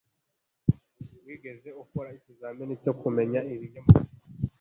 Wigeze ukora ikizamini cyo kumenya ibinyoma?